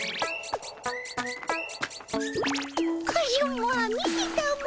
カジュマ見てたも。